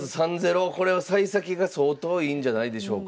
これはさい先が相当いいんじゃないでしょうか。